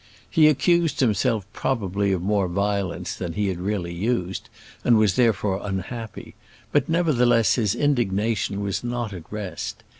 He accused himself probably of more violence than he had really used, and was therefore unhappy; but, nevertheless, his indignation was not at rest.